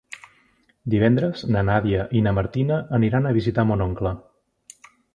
Divendres na Nàdia i na Martina aniran a visitar mon oncle.